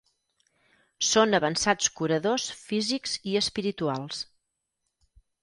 Són avançats curadors físics i espirituals.